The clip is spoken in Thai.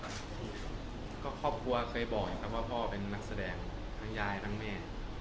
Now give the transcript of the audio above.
เรื่องของหน้ากีศของนักสาหก